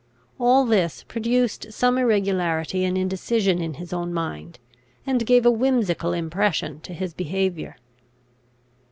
All this produced some irregularity and indecision in his own mind, and gave a whimsical impression to his behaviour.